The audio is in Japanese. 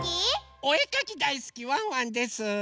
おえかきだいすきワンワンです！